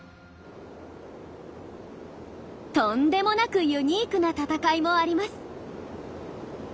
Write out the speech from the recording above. とんでもなくユニークな闘いもあります。